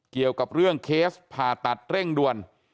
เกี่ยวกับเรื่องเคสผ่าตัดเร่งด่วน